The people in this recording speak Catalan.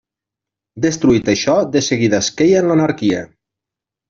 Destruït això, de seguida es queia en l'anarquia.